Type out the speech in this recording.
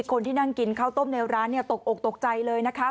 คนที่นั่งกินข้าวต้มในร้านตกอกตกใจเลยนะคะ